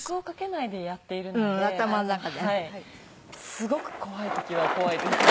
すごく怖い時は怖いですよ。